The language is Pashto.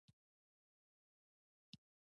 په ځینو ځایونو کې د نجونو رایه بې ارزښته ګڼل کېږي.